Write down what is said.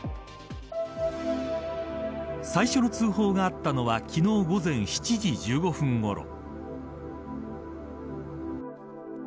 最初の通報があったのは昨日午前７時１５分ごろ。